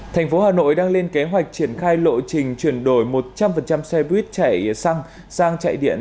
thành phố hà nội đang lên kế hoạch triển khai lộ trình chuyển đổi một trăm linh xe buýt chạy xăng sang chạy điện